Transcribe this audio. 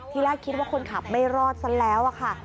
ที่แรกคิดว่าคนขับไม่รอดซะแล้วค่ะ